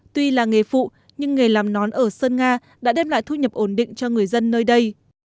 tuy là nghề phụ nhưng nghề làm nón ở sơn nga đã đem lại thu nhập ổn định cho người dân nơi đây